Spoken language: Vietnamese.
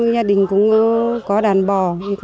gia đình cũng có đàn bò